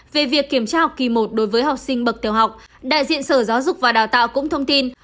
về việc kiểm tra học kỳ một đối với học sinh bậc tiểu học đại diện sở giáo dục và đào tạo cũng thông tin